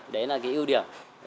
đấy là cái ưu điểm